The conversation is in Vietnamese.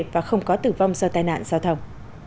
và không có tử vong do tai nạn giao thông